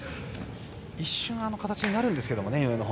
一瞬、形になるんですけどね。